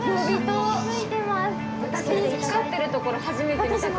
私光っているところ初めて見たかも。